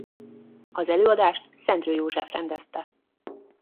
Az előadást Szendrő József rendezte.